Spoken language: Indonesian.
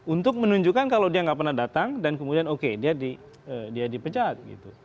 untuk menunjukkan kalau dia nggak pernah datang dan kemudian oke dia dipecat